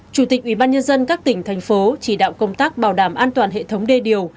chủ tịch ubnd các tỉnh thành phố chỉ đạo công tác bảo đảm an toàn hệ thống đê điều